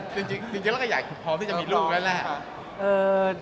จริงเราก็อยากพร้อมที่จะมีรูปนั้นแหละ